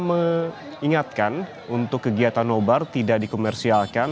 sekali lagi sepanjang hal tersebut tidak dikomersialkan